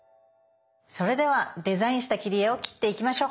それではデザインした切り絵を切っていきましょう。